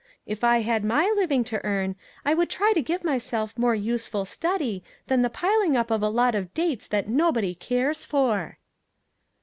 If I had my living to earn I would try to give myself more useful study than the piling up of a lot of dates that nobody cares for."